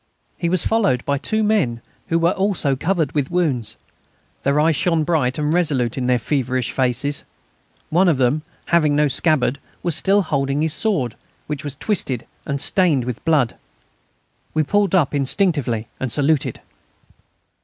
He was followed by two men who were also covered with wounds. Their eyes shone bright and resolute in their feverish faces. One of them, having no scabbard, was still holding his sword, which was twisted and stained with blood. We pulled up instinctively and saluted.